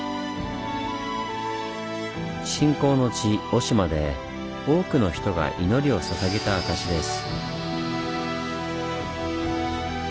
信仰の地雄島で多くの人が祈りをささげた証しです。